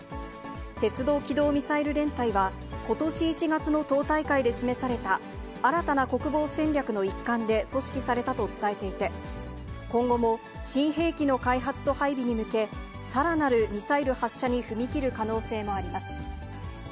鉄道機動ミサイル連隊は、ことし１月の党大会で示された新たな国防戦略の一環で組織されたと伝えていて、今後も、新兵器の開発と配備に向け、さらなるミサイル発射に踏み切る可能性もあります。